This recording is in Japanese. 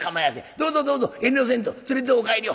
どうぞどうぞ遠慮せんと連れてお帰りを」。